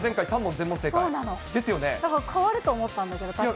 だから変わると思ったんです